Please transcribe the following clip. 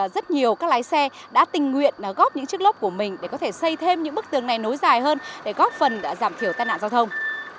rất nhiều các lái xe đã tình nguyện góp những chiếc lốp của mình để có thể xây thêm những bức tường này nối dài hơn để góp phần giảm thiểu tai nạn giao thông